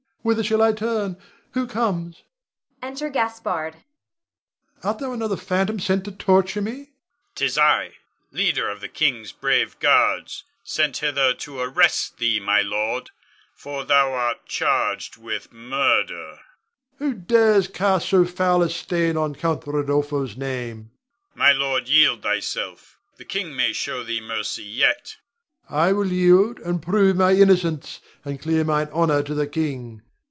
Whither shall I turn? Who comes? [Enter Gaspard.] Art thou another phantom sent to torture me? Gasp. 'Tis I, leader of the king's brave guards, sent hither to arrest thee, my lord; for thou art charged with murder. Rod. Who dares to cast so foul a stain on Count Rodolpho's name. Gasp. My lord, yield thyself. The king may show thee mercy yet Rod. I will yield, and prove my innocence, and clear mine honor to the king.